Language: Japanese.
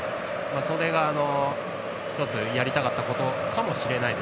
それが１つやりかったことかもしれません。